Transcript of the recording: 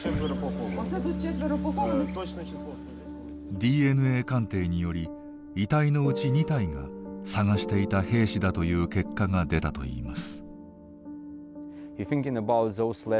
ＤＮＡ鑑定により遺体のうち２体が捜していた兵士だという結果が出たといいます。